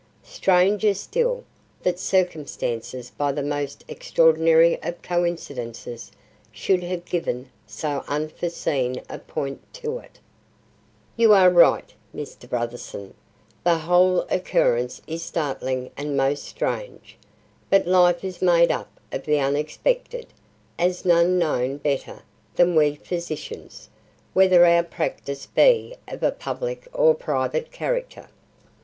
Stranger still, that circumstances by the most extraordinary of coincidences, should have given so unforeseen a point to it." "You are right, Mr. Brotherson. The whole occurrence is startling and most strange. But life is made up of the unexpected, as none know better than we physicians, whether our practice be of a public or private character."